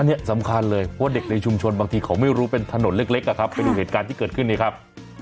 อันนี้สำคัญเลยเพราะว่าเด็กในชุมชนบางทีเขาไม่รู้เป็นถนนเล็กนะครับไปดูเหตุการณ์ที่เกิดขึ้นนี้ครับ